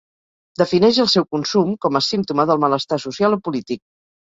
Defineix el seu consum com a símptoma del malestar social o polític.